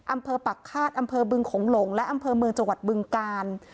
ปักฆาตอำเภอบึงโขงหลงและอำเภอเมืองจังหวัดบึงกาล